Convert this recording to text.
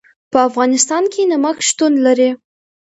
په افغانستان کې نمک شتون لري.